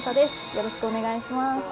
よろしくお願いします